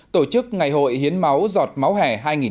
tổ chức ngày hội hiến máu giọt máu hẻ hai nghìn một mươi chín